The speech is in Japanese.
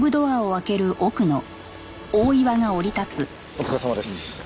お疲れさまです。